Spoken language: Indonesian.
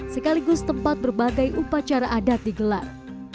sekaligus tempat berbagai upacara adat digelar